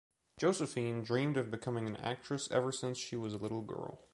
Josephine dreamed of becoming an actress ever since she was a little girl.